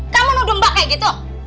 kamu nunggu mbak kayak gitu